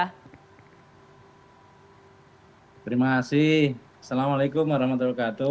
terima kasih assalamualaikum warahmatullahi wabarakatuh